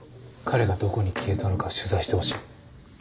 彼がどこに消えたのか取材してほしい。